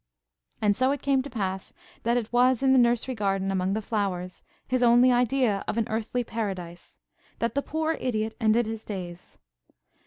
And so it came to pass, that it was in the nursery garden, among the flowers–his only idea of an earthly paradise–that the poor idiot ended his days.